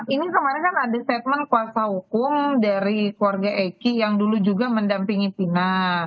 ini kemarin kan ada statement kuasa hukum dari keluarga eki yang dulu juga mendampingi pina